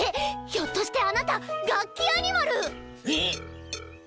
ひょっとしてあなたガッキアニマル⁉えっ！